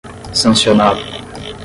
sancionado